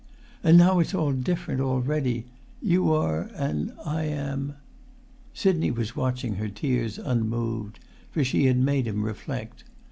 And now it's all different already; you are, and I am ..." Sidney was watching her tears unmoved, for she had made him reflect.